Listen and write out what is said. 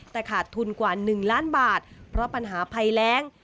แต่ขาดทุนกว่า๑ล้านบาทเพราะปัญหาภัยแรง